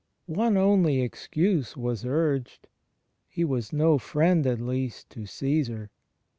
One only excuse was urged — He was no friend at least to Caesar.